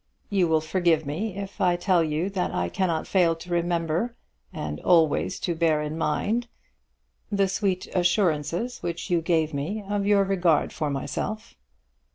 You will forgive me if I tell you that I cannot fail to remember, and always to bear in my mind, the sweet assurances which you gave me of your regard for myself.